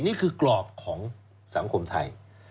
นี่คือกรอบของสังคมไทย